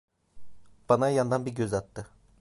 Bana yandan bir göz attı.